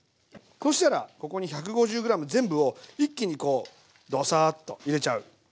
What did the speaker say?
そしたらここに１５０ｇ全部を一気にこうドサーッと入れちゃう。